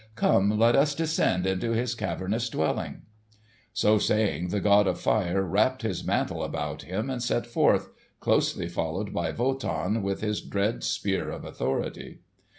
Come, let us descend into his cavernous dwelling." So saying the god of fire wrapped his mantle about him and set forth, closely followed by Wotan with his dread Spear of Authority.